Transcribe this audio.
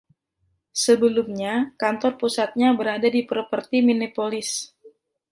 Sebelumnya kantor pusatnya berada di properti Minneapolis-St.